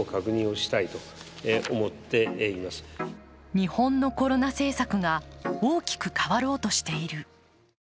日本のコロナ政策が大きく変わろうとしている。